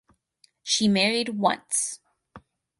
She married once.